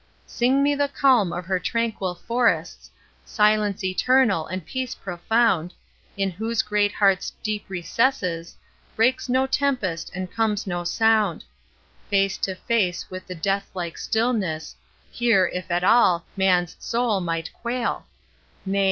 Sing me the calm of her tranquil forests, Silence eternal, and peace profound, In whose great heart's deep recesses Breaks no tempest, and comes no sound; Face to face with the deathlike stillness, Here, if at all, man's soul might quail: Nay!